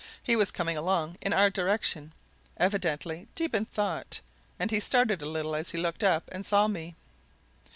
He was coming along in our direction, evidently deep in thought, and he started a little as he looked up and saw me.